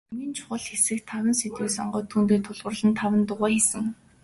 Хамгийн чухал гэсэн таван сэдвийг сонгоод, түүндээ тулгуурлан таван дуугаа хийсэн.